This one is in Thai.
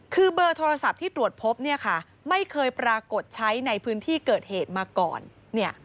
คือเบอร์โทรศัพท์ที่ตรวจพบเนี่ยค่ะไม่เคยปรากฏใช้ในพื้นที่เกิดเหตุมาก่อน